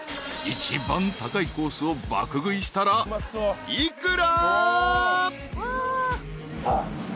［一番高いコースを爆食いしたら幾ら？］